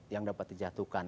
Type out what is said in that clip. yang dapat dijatuhkan